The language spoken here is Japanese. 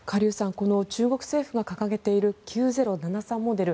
この中国政府が掲げている９０７３モデル。